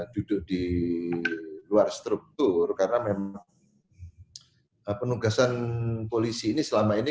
duduk di luar struktur karena memang penugasan polisi ini selama ini